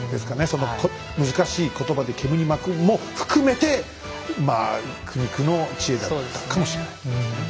その難しい言葉でけむに巻くも含めてまあ苦肉の知恵だったかもしれないですね。